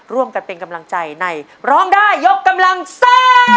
ร่วมกันเป็นกำลังใจในร้องได้ยกกำลังซ่า